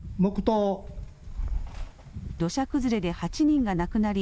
土砂崩れで８人が亡くなり